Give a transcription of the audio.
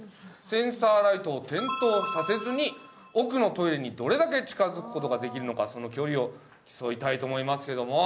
センサーライトを点灯させずに奥のトイレにどれだけ近づく事ができるのかその距離を競いたいと思いますけども。